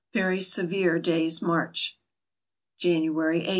Very severe day's march. January 8.